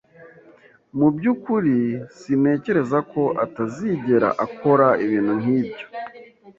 "Mu byukuri? Sintekereza ko atazigera akora ibintu nk'ibyo."